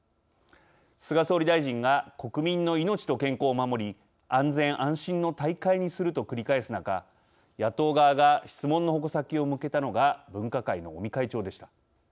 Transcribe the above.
菅総理大臣が国民の命と健康を守り安全、安心の大会にすると繰り返す中、野党側が質問の矛先を向けたのが分科会の尾身会長でした。